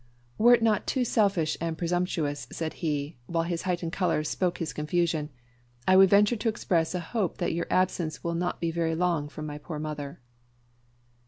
"Were it not too selfish and presumptuous," said he, while his heightened colour spoke his confusion, "I would venture to express a hope that your absence will not be very long from my poor mother."